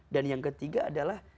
dan yang ketiga adalah